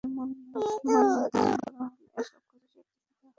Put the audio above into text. এসব কাজের মূল্যমান নির্ধারণ করা হলে এসব কাজের স্বীকৃতি দেওয়া হবে।